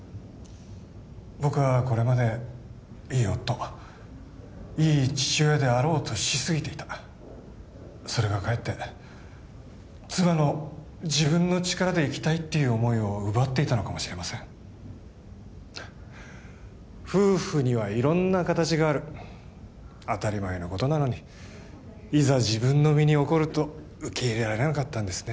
僕はこれまでいい夫いい父親であろうとしすぎていたそれがかえって妻の自分の力で生きたいっていう思いを奪っていたのかもしれません夫婦には色んな形がある当たり前のことなのにいざ自分の身に起こると受け入れられなかったんですね